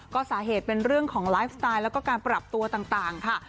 ก็สาเหตุเป็นเรื่องของไลฟ์สไตล์แล้วก็การปรับตัวต่างค่ะ